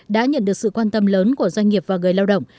đã nhận được sự quan tâm lớn của doanh nghiệp và người lao động